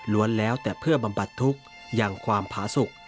รวนแล้วแต่เพื่อบำบัติทุกข์อย่างความพ้าศุกร์